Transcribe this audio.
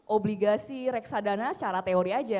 obligasi reksadana secara teori aja